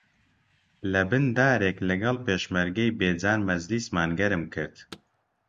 لەبن دارێک لەگەڵ پێشمەرگەی بێجان مەجلیسمان گەرم کرد